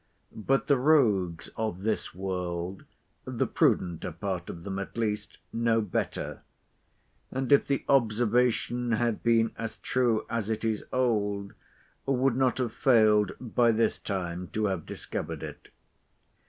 But the rogues of this world—the prudenter part of them, at least—know better; and, if the observation had been as true as it is old, would not have failed by this time to have discovered it.